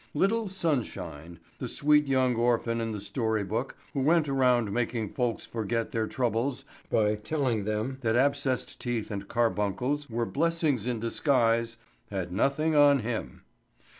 Little Sunshine, the sweet young orphan in the story book, who went around making folks forget their troubles by telling them that abscessed teeth and carbuncles were blessings in disguise, had nothing on him.